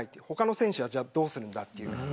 他の選手はじゃあどうするんだという。